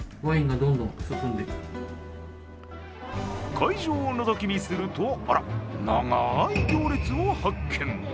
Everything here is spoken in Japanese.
会場をのぞき見すると、あら、長い行列を発見。